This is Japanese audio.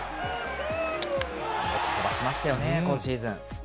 よく飛ばしましたよね、今シーズン。